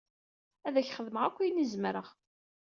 Ad ak-xedmeɣ akk ayen i zemreɣ.